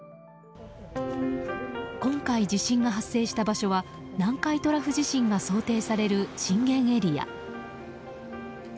今回地震が発生した場所は南海トラフ地震が想定される震源エリア。